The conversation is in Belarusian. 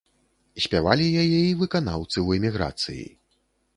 Спявалі яе і выканаўцы ў эміграцыі.